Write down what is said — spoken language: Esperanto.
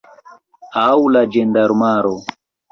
Aŭ la ĝendarmaro.